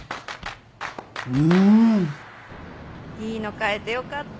いいの買えてよかった。